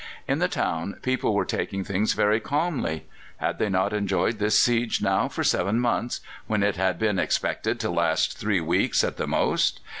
In the town people were taking things very calmly. Had they not enjoyed this siege now for seven months, when it had been expected to last three weeks at the most?